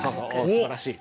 すばらしい！